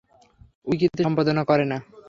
উইকিতে সম্পাদনা করে না।